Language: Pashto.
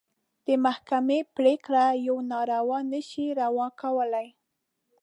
د محکمې پرېکړه يوه ناروا نه شي روا کولی.